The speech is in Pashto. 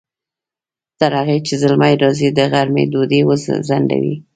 تر هغې چې زلمی راځي، د غرمې ډوډۍ وځڼډوئ!